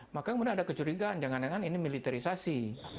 maka kemudian ada kecurigaan jangan jangan ini militerisasi